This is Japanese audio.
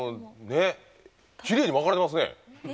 きれいに分かれてますね。